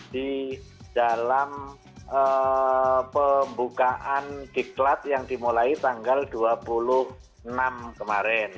di dalam pembukaan diklat yang dimulai tanggal dua puluh enam kemarin